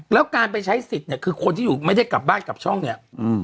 แล้วการไปใช้สิทธิ์เนี่ยคือคนที่อยู่ไม่ได้กลับบ้านกลับช่องเนี่ย